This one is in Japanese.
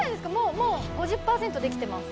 もう５０％できてます。